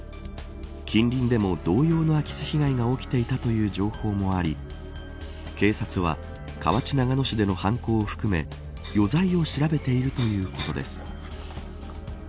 近隣でも同様の空き巣被害が起きていたという情報もあり警察は河内長野市での犯行を含め余罪を調べているということです。